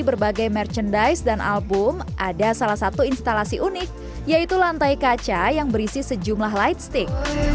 berbagai merchandise dan album ada salah satu instalasi unik yaitu lantai kaca yang berisi sejumlah lightstick